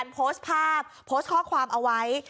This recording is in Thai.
โพสต์ภาพโพสต์ข้อความเอาไว้